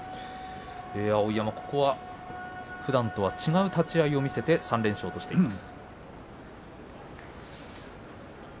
碧山、ここはふだんとは違う立ち合いを見せて３連勝です。